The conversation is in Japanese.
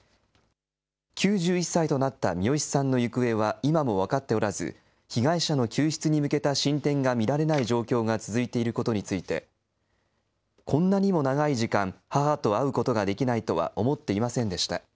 ９１歳となったミヨシさんの行方は今も分かっておらず、被害者の救出に向けた進展が見られない状況が続いていることについて、こんなにも長い時間、母と会うことができないとは思っていませんでした。